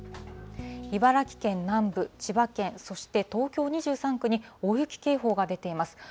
茨城県南部、千葉県、そして東京２３区に大雪警報が出ています。